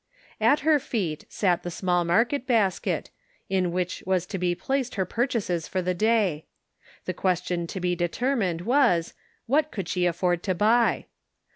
At her feet sat the small market basket, in which was to be placed her purchases for the day ; the question to be determined was, what could she afford to buy